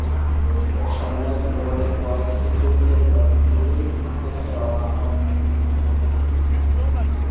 সন্ন্যাস গ্রহণের পরে শ্রীচৈতন্য পুরীর উদ্দেশ্যে রওয়ানা হন।